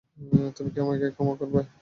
তুমি কি আমায় ক্ষমা করবে?